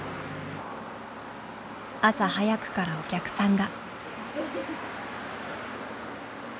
朝早くからお客さんが。